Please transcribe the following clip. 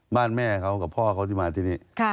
แม่เขากับพ่อเขาที่มาที่นี่